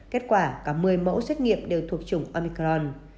kết quả cả một mươi mẫu xét nghiệm đều thuộc chủng amicron